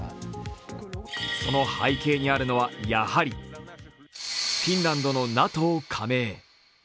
その背景にあるのはフィンランドのＮＡＴＯ加盟。